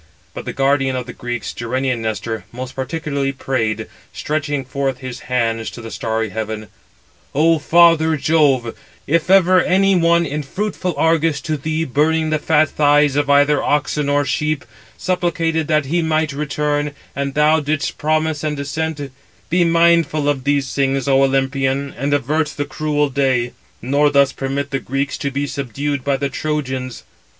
But the guardian of the Greeks, Gerenian Nestor, most particularly prayed, stretching forth his hands to the starry heaven: "O father Jove, if ever any one in fruitful Argos, to thee burning the fat thighs of either oxen or sheep, supplicated that he might return, and thou didst promise and assent; be mindful of these things, O Olympian, and avert the cruel day; nor thus permit the Greeks to be subdued by the Trojans."